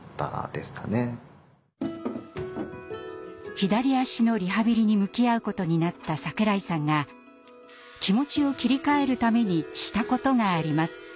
左脚のリハビリに向き合うことになった櫻井さんが気持ちを切り替えるためにしたことがあります。